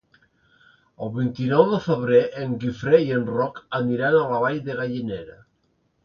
El vint-i-nou de febrer en Guifré i en Roc aniran a la Vall de Gallinera.